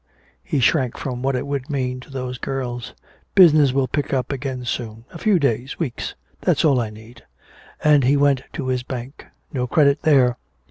_" He shrank from what it would mean to those girls. "Business will pick up again soon. A few days weeks that's all I need." And he went to his bank. No credit there.